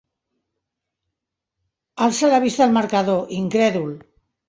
Alça la vista al marcador, incrèdul.